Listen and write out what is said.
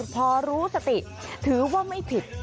พอรู้สติถือว่าไม่ผิด